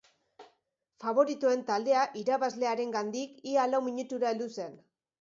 Faboritoen taldea irabazlearengandik ia lau minutura heldu zen.